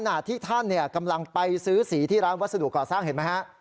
ขณะที่ท่านกำลังไปซื้อสีที่ร้านวัสดุก่อสร้างเห็นไหมฮะ